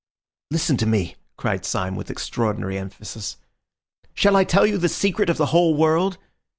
"Listen to me," cried Syme with extraordinary emphasis. "Shall I tell you the secret of the whole world?